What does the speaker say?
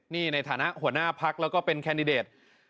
นี่ในฐานะหัวหน้าพักแล้วก็เป็นแคนดิเดต